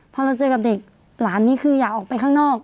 พอเราเจอกับเด็กหลานนี้คืออยากออกไปข้างนอก